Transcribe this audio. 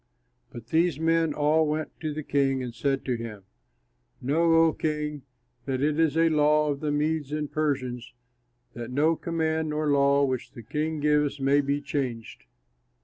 Then these men all went to the king and said to him, "Know, O king, that it is a law of the Medes and Persians, that no command nor law which the king gives may be changed."